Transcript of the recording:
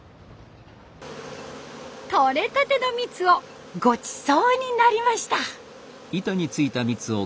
とれたての蜜をごちそうになりました。